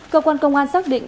cơ quan công an xác định